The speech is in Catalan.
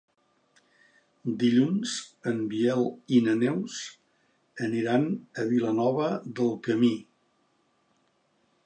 Dilluns en Biel i na Neus aniran a Vilanova del Camí.